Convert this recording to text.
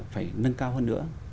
phải nâng cao hơn nữa